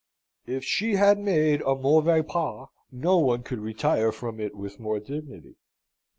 If she had made a mauvais pas no one could retire from it with more dignity.